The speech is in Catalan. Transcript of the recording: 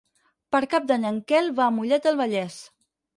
Per Cap d'Any en Quel va a Mollet del Vallès.